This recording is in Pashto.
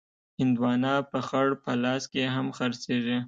هندوانه په خړ پلاس کې هم خرڅېږي.